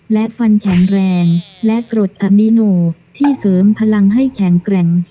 และฟันแข็งแรงและกรดอมิโนที่เสริมพลังให้แข็งแกร่ง